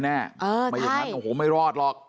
ไม่อย่างนั้นโอ้โหไม่รอดหรอก